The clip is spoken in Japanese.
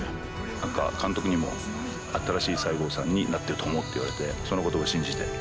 何か監督にも新しい西郷さんになっていると思うって言われてその言葉信じて。